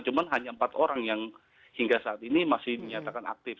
cuma hanya empat orang yang hingga saat ini masih dinyatakan aktif